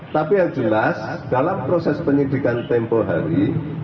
tapi yang jelas dalam proses penyidikan tempoh hari